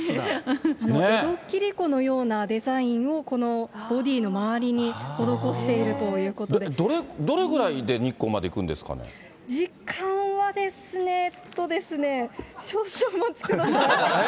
江戸切子のようなデザインをこのボディーの周りに施しているだって、どれぐらいで日光ま時間はですね、えーっとですね、少々お待ちください。